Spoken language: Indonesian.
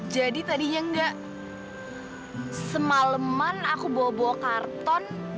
jadi tadinya enggak semaleman aku bawa bawa karton